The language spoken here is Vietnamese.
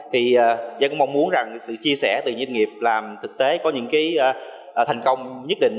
thì tôi cũng mong muốn rằng sự chia sẻ từ doanh nghiệp làm thực tế có những cái thành công nhất định